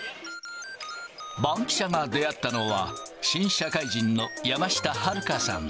バンキシャが出会ったのは、新社会人の山下遥花さん。